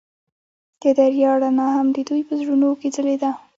د دریا رڼا هم د دوی په زړونو کې ځلېده.